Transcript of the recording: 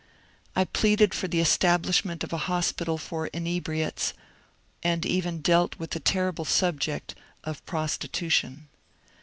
I pleaded for the establishment of a hospital for inebriates, and even dealt with the terrible subject of Pros titution.